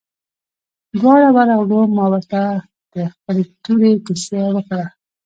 دواړه ورغلو ما ورته د خپلې تورې كيسه وكړه.